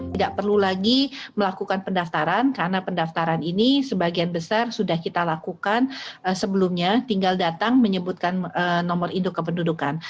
tidak perlu lagi melakukan pendaftaran karena pendaftaran ini sebagian besar sudah kita lakukan sebelumnya tinggal datang menyebutkan nomor induk kependudukan